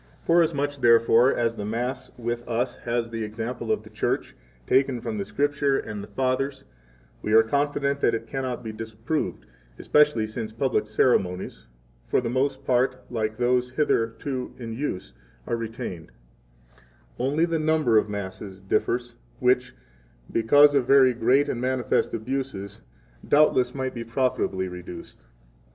40 Forasmuch, therefore, as the Mass with us has the example of the Church, taken from the Scripture and the Fathers, we are confident that it cannot be disapproved, especially since public ceremonies, for the most part like those hither to in use, are retained; only the number of Masses differs, which, because of very great and manifest abuses doubtless might be profitably reduced.